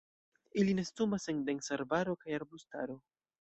Ili nestumas en densa arbaro kaj arbustaro.